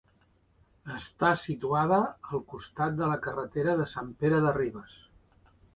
Està situada al costat de la carretera de Sant Pere de Ribes.